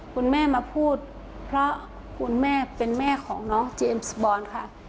คุณแม่มาพูดเพราะคุณแม่เป็นแม่ของน้องเจมส์บอลค่ะ